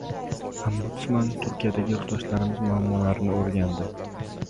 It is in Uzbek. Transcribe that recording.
Ombudsman Turkiyadagi yurtdoshlarimiz muammolarini o‘rgandi